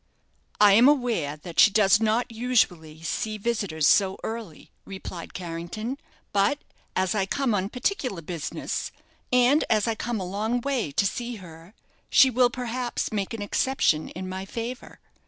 "I am aware that she does not usually see visitors so early," replied Carrington; "but as I come on particular business, and as I come a long way to see her, she will perhaps make an exception in my favour."